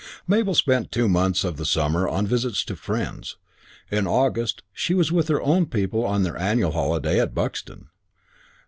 Mabel spent two months of the summer on visits to friends. In August she was with her own people on their annual holiday at Buxton.